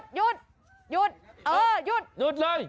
หยุดหยุดเออหยุดหยุดเลย